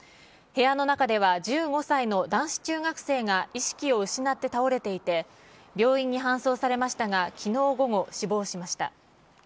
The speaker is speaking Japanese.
部屋の中では１５歳の男子中学生が意識を失って倒れていて、病院に搬送されましたが、きのう午後、死亡しました。